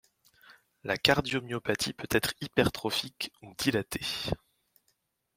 La cardiomyopathie peut être hypertrophique ou dilatée.